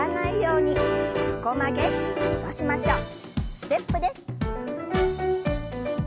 ステップです。